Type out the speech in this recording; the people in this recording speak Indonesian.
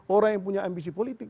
orang yang punya ambisi politik